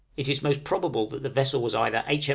It is most probable that the vessel was either H.